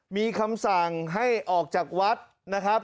มีคำสั่งให้ออกจากวัดนะครับ